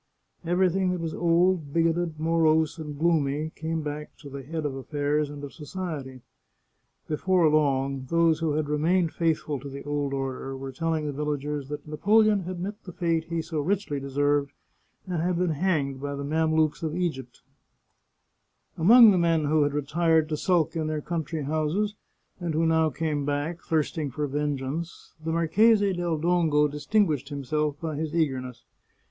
Everything that was old, bigoted, morose, and gloomy came back to the head of aflfairs and of society. Before long, those who had remained faithful to the old order were telling the villagers that Napoleon had met the fate he so richly deserved, and had been hanged by the Mamelukes in Egypt. 8 The Chartreuse of Parma Among the men who had retired to sulk in their country houses, and who now came back, thirsting for vengeance, the Marchese del Dongo distinguished himself by his eager ness.